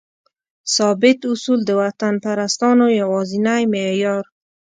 ثابت اصول؛ د وطنپرستانو یوازینی معیار